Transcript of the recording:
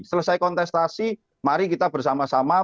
selesai kontestasi mari kita bersama sama